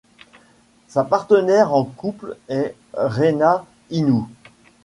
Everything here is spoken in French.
Sa partenaire en couple est Rena Inoue.